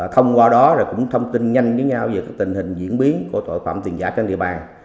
thông qua đó cũng thông tin nhanh với nhau về tình hình diễn biến của tội phạm tiền giả trên địa bàn